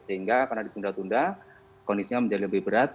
sehingga karena ditunda tunda kondisinya menjadi lebih berat